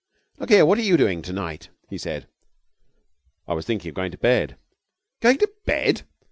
'Look here, what are you doing to night?' he said. 'I was thinking of going to bed.' 'Going to bed!'